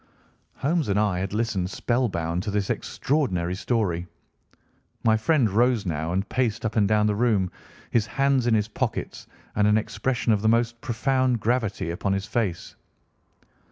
Holmes and I had listened spellbound to this extraordinary story. My friend rose now and paced up and down the room, his hands in his pockets, and an expression of the most profound gravity upon his face.